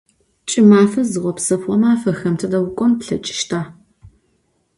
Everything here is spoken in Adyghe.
Ç'ımefe zığepsefığo mafexem tıde vuk'on plheç'ışta?